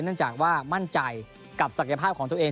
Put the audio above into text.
เนื่องจากว่ามั่นใจกับศักยภาพของตัวเอง